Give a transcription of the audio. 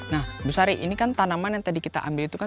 nah bu sari ini kan tanaman yang tadi kita ambil itu kan